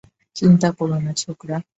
চিন্তা করো না, ছোকরা।